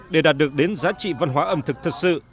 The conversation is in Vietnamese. để đạt được đến giá trị văn hóa ẩm thực thực sự